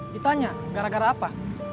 ditanya gara gara apa